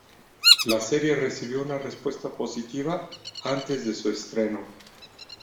La serie recibió una respuesta positiva antes de su estreno.